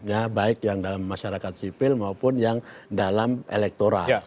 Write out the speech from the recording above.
ya baik yang dalam masyarakat sipil maupun yang dalam elektoral